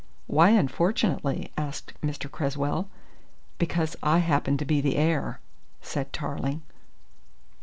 "Why unfortunately?" asked Mr. Cresswell. "Because I happen to be the heir," said Tarling.